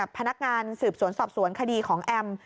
พนักงานสืบสวนสอบสวนคดีของแอม